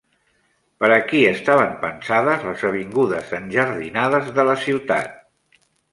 Per a qui estaven pensades les avingudes enjardinades de la ciutat?